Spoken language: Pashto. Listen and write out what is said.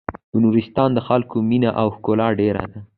د نورستان د خلکو مينه او ښکلا ډېره ده.